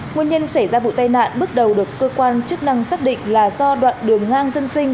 nguyên nhân xảy ra vụ tai nạn bước đầu được cơ quan chức năng xác định là do đoạn đường ngang dân sinh